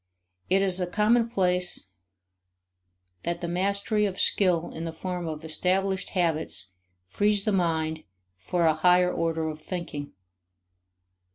It is a commonplace that the mastery of skill in the form of established habits frees the mind for a higher order of thinking.